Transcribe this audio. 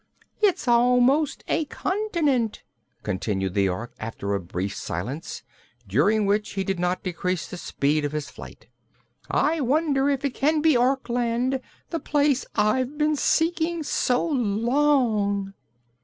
"It's almost a continent," continued the Ork after a brief silence, during which he did not decrease the speed of his flight. "I wonder if it can be Orkland, the place I have been seeking so long?"